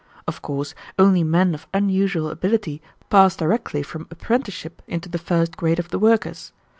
Of course only men of unusual ability pass directly from apprenticeship into the first grade of the workers.